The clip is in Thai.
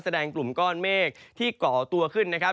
กลุ่มก้อนเมฆที่ก่อตัวขึ้นนะครับ